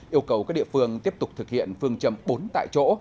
yêu cầu các địa phương tiếp tục thực hiện phương châm bốn tại chỗ